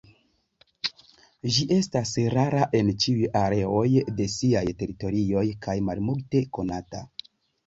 Ĝi estas rara en ĉiuj areoj de siaj teritorioj kaj malmulte konata.